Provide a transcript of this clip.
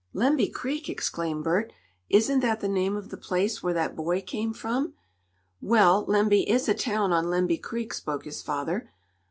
"Lemby Creek!" exclaimed Bert. "Isn't that the name of the place where that boy came from?" "Well, Lemby is a town on Lemby Creek," spoke his father.